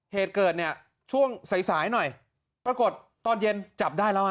เหตุเกิดเนี่ยช่วงสายสายหน่อยปรากฏตอนเย็นจับได้แล้วฮะ